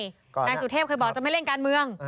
นายสุเทพเคยบอกจะไม่เล่นการเมือง